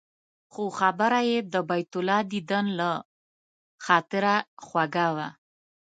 خو خبره یې د بیت الله دیدن له خاطره خوږه وه.